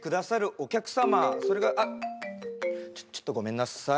お客様あっちょっとごめんなさい